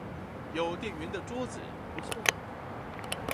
有電源的桌子不錯